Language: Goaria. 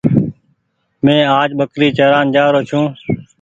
مينٚ آج ٻڪري چران جآرو ڇوٚنٚ